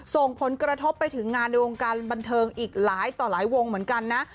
ส่งผลกระทบไปถึงงานในวงการบันเทิงอีกหลายต่อหลายวงเหมือนกันนะ